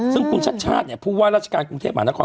ซึ่งคุณชัดชาติเนี่ยผู้ว่าราชการกรุงเทพมหานคร